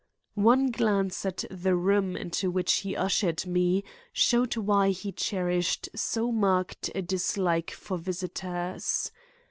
One glance at the room into which he ushered me showed why he cherished so marked a dislike for visitors.